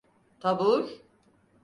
Tabur…